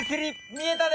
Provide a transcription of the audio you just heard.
みえたで！